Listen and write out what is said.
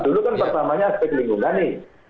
dulu kan pertamanya aspek lingkungan nih